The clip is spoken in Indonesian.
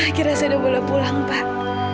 akhirnya sudah boleh pulang pak